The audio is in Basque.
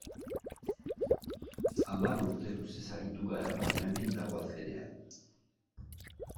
Hamar urte luze aritu g ara, baina hemen dago azkenean.